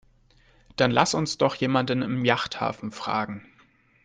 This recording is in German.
Dann lass uns doch jemanden im Yachthafen fragen.